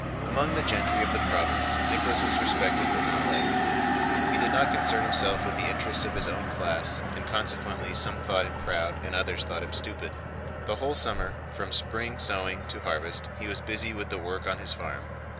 Among the gentry of the province Nicholas was respected but not liked. He did not concern himself with the interests of his own class, and consequently some thought him proud and others thought him stupid. The whole summer, from spring sowing to harvest, he was busy with the work on his farm.